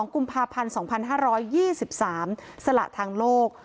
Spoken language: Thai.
กุมภาพันธ์๒๕๒๓สละทางโลก